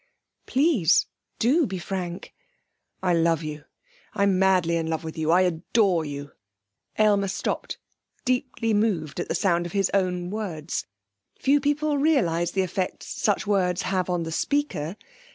'Please, do be frank.' 'I love you. I'm madly in love with you. I adore you.' Aylmer stopped, deeply moved at the sound of his own words. Few people realise the effect such words have on the speaker.